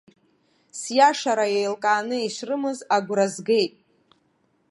Сиашара еилкааны ишрымаз агәра згеит.